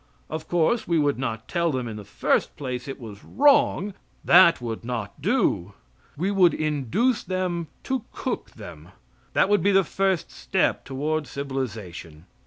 Of course we would not tell them, in the first place, it was wrong. That would not do. We would induce them to cook them. That would be the first step toward civilization.